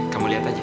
kamu lihat aja